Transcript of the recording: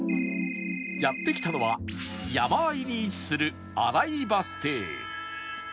やって来たのは山あいに位置する新井バス停